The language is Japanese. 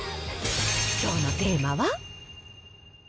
きょうのテーマは？